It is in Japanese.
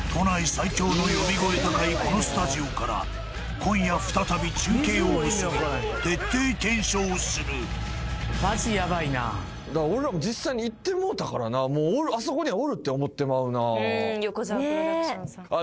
最恐の呼び声高いこのスタジオから今夜再び中継を結び徹底検証するマジヤバいな俺らも実際に行ってもうたからなもうあそこにはおるって思ってまうなヨコザワ・プロダクションさんねえ